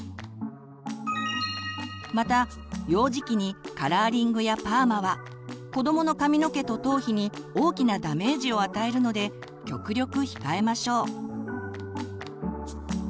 また幼児期にカラーリングやパーマは子どもの髪の毛と頭皮に大きなダメージを与えるので極力控えましょう。